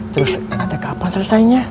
terus nanti kapan selesainya